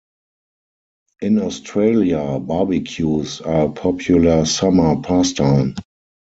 In Australia, barbecues are a popular summer pastime.